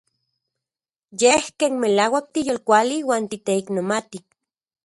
Yej ken melauak tiyolkuali uan titeiknomati.